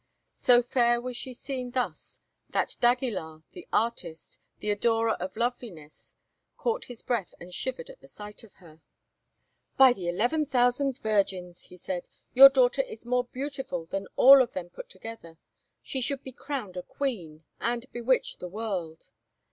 So fair was she seen thus that d'Aguilar, the artist, the adorer of loveliness, caught his breath and shivered at the sight of her. Margaret appeared descending the broad oak stairs "By the eleven thousand virgins!" he said, "your daughter is more beautiful than all of them put together. She should be crowned a queen, and bewitch the world."